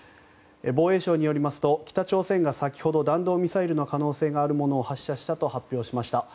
防衛省によりますと北朝鮮が先ほど弾道ミサイルの可能性があるものを発射したと発表しました。